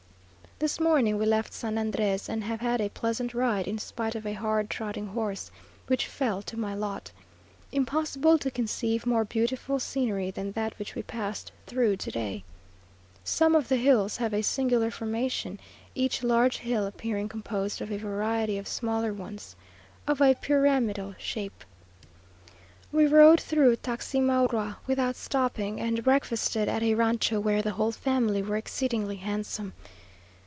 This morning we left San Andrés, and have had a pleasant ride, in spite of a hard trotting horse, which fell to my lot. Impossible to conceive more beautiful scenery than that which we passed through to day. Some of the hills have a singular formation, each large hill appearing composed of a variety of smaller ones, of a pyramidal shape. We rode through Taximaroa without stopping, and breakfasted at a rancho, where the whole family were exceedingly handsome.